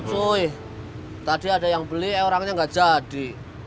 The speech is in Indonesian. woy tadi ada yang beli orangnya gak jadi